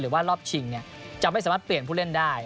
รอบชิงจะไม่สามารถเปลี่ยนผู้เล่นได้